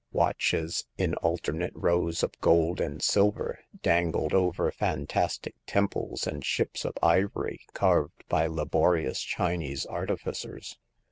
Watches, in alternate rows of gold and silver, dangled over fantastic temples and ships of ivory carved by laborious Chinese artificers.